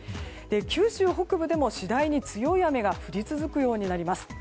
九州北部でも次第に強い雨が降り続くようになります。